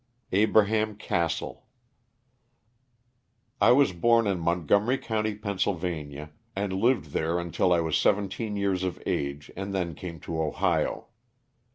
ABRAHAM CASSEL. T WAS born in Montgomery county, Pa., and lived there until I was seventeen years of age, and then came to Ohio.